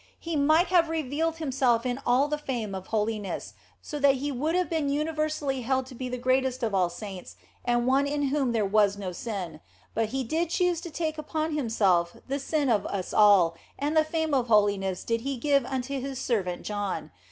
He might have revealed Himself in all the fame of holiness, so that He would have been universally held to be the greatest of all saints and one in whom there was no sin ; but He did choose to take upon Himself the sins of us all and the fame of holiness did He give unto His servant John.